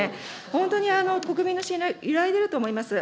本当に国民の信頼、揺らいでいると思います。